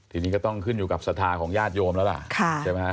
ทีนี้ก็ต้องขึ้นอยู่กับสถาของญาติโยมแล้วล่ะ